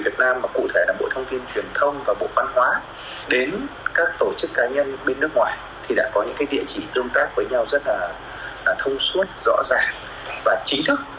việt nam và cụ thể là bộ thông tin truyền thông và bộ văn hóa đến các tổ chức cá nhân bên nước ngoài thì đã có những địa chỉ tương tác với nhau rất là thông suốt rõ ràng và chính thức